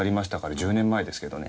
１０年前ですけどね。